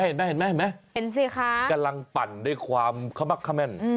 เห็นสิค่ะคำไอศครีมค่ะกำลังปั่นด้วยความขมักแม่น